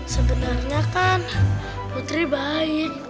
sebenarnya kan putri baik